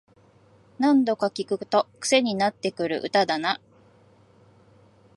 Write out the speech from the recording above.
何度か聴くとクセになってくる歌だな